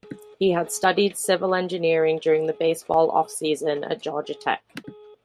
He has studied civil engineering during the baseball off-season at Georgia Tech.